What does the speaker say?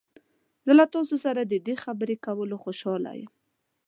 زه له تاسو سره د دې خبرې کولو خوشحاله یم.